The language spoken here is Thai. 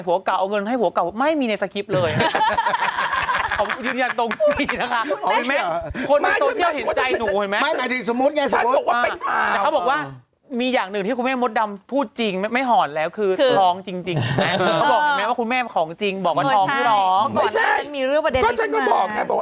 นางก็จะถามนางที่ติดผัวใหม่จริงไหมลูก